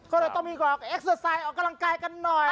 ก็เลยต้องมีกรอกเอ็กเตอร์ไซด์ออกกำลังกายกันหน่อย